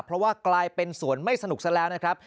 เพราะว่ากลายเป็นสวนไม่สนุกซะแล้วนะครับ